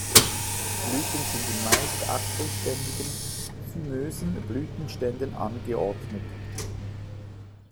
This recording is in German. Die Blüten sind in meist achselständigen, zymösen Blütenständen angeordnet.